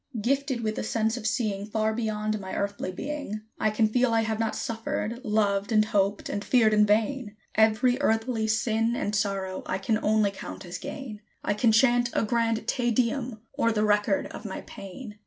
Gifted with a sense of seeing Far beyond my earthly being, I can feel I have not suffered, loved, and hoped, and feared in vain; Every earthly sin and sorrow I can only count as gain: I can chant a grand "Te Deum" o'er the record of my pain.